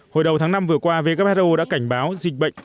hồi đầu tháng năm vừa qua who đã cảnh báo dịch bệnh